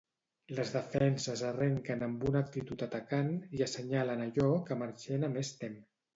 Les defenses arrenquen amb una actitud atacant i assenyalen allò que Marchena més tem.